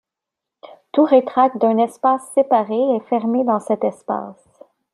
Tout rétract d'un espace séparé est fermé dans cet espace.